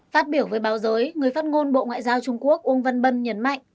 phát biểu với báo giới người phát ngôn bộ ngoại giao trung quốc uông văn bân nhấn mạnh